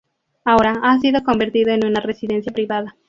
Ahora ha sido convertido en una residencia privada.